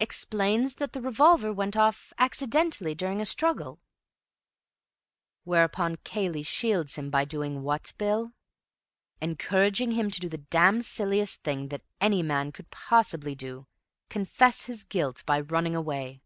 "Explains that the revolver went off accidentally during a struggle." "Whereupon Cayley shields him by—by doing what, Bill? Encouraging him to do the damn silliest thing that any man could possibly do—confess his guilt by running away!"